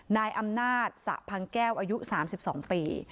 นายอำนาจสะพังแก้วอายุ๓๒ปี